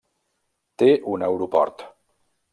Té un aeroport.